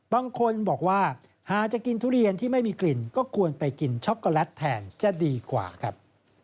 บางคนบอกว่าหากจะกินทุเรียนที่ไม่มีกลิ่นก็ควรไปกินช็อกโกแลตแทนจะดีกว่าครับ